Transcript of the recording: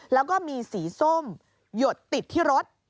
แล้วก็มีสีส้มหยดติดที่รถ